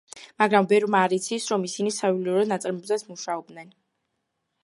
მაგრამ ბევრმა არ იცის, რომ ისინი საიუველირო ნაწარმზეც მუშაობდნენ.